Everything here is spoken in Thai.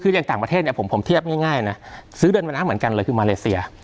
คืออย่างต่างประเทศเนี่ยผมเทียบง่ายนะซื้อเดินมานะเหมือนกันเลยคือมาเลเซีย